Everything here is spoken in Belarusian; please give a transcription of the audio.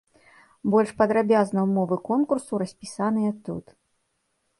Больш падрабязна ўмовы конкурсу распісаныя тут.